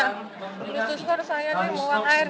terus susur saya ini mau buang air